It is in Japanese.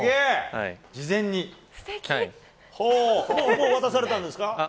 もう渡されたんですか？